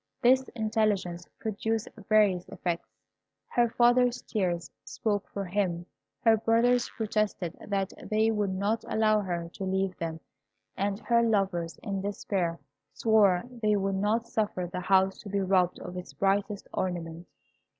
This intelligence produced various effects. Her father's tears spoke for him; her brothers protested that they would not allow her to leave them; and her lovers, in despair, swore they would not suffer the house to be robbed of its brightest ornament.